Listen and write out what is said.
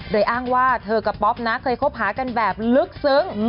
โดยอ้างว่าเธอกับป๊อปนะเคยคบหากันแบบลึกซึ้ง